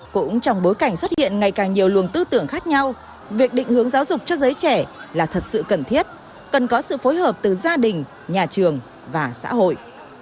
cũng trong bối cảnh xuất hiện ngày càng nhiều luồng tư tưởng khác nhau việc định hướng giáo dục cho giới trẻ là thật sự cần thiết cần có sự phối hợp từ gia đình nhà trường và xã hội